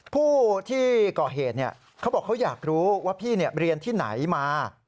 ผู้ที่ก่อเหตุเขาบอกเขาอยากรู้ว่าพี่เรียนที่ไหนมา